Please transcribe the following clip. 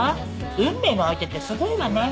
運命の相手ってすごいわね。